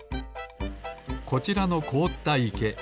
こちらのこおったいけ。